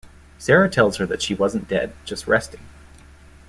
Sara tells her that she wasn't dead, just resting.